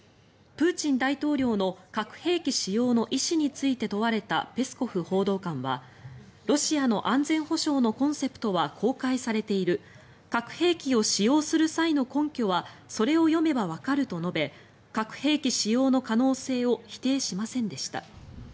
プーチン大統領の核兵器使用の意思について問われたペスコフ報道官はロシアの安全保障のコンセプトは公開されている核兵器を使用する際の根拠はそれを読めばわかると述べ核兵器使用の可能性を否定しませんでした。